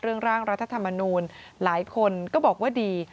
เรื่องร่างรัฐธรรมนุนหลายคนก็บอกว่าดี